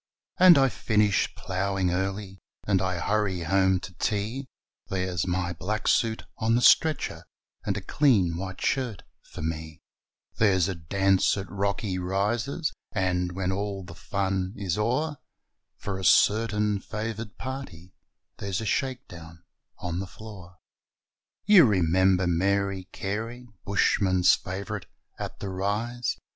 And I finish ploughing early, And I hurry home to tea There's my black suit on the stretcher, And a clean white shirt for me ; There's a dance at Rocky Rises, And, when they can dance no more, For a certain favoured party There's a shakedown on the floor. You remember Mary Carey, Bushmen's favourite at The Rise?